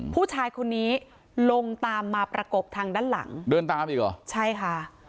ผู้ชายคนนี้ลงตามมาประกบทางด้านหลังเดินตามอีกเหรอใช่ค่ะ